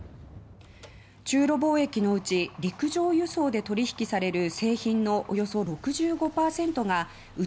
中ロ貿易のうち陸上輸送で取引される製品のおよそ６５％が内